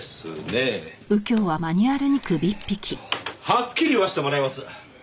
はっきり言わせてもらいます。